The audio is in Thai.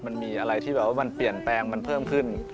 มันมีอะไรที่แบบว่ามันเปลี่ยนแปลงมันเพิ่มขึ้น